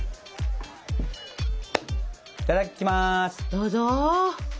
どうぞ。